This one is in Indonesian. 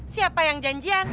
siapa yang janjian